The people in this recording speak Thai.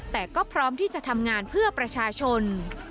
แต่ก็พร้อมที่จะทำงานเพื่อประชาชน